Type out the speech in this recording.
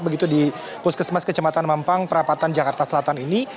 begitu di puskesmas kecematan mampang perapatan jakarta selatan ini